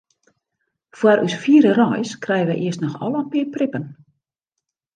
Foar ús fiere reis krije wy earst noch al in pear prippen.